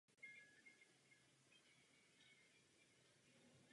Tyto motory pokrývají drtivou většinu americké poptávky.